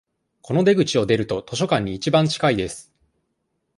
この出口を出ると、図書館に一番近いです。